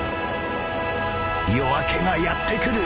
夜明けがやって来る！